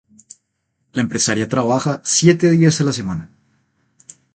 La empresaria trabaja siete días a la semana.